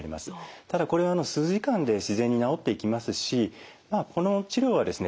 ただこれは数時間で自然に治っていきますしこの治療はですね